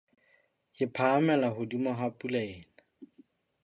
Ke phahamela hodimo ha pula ena.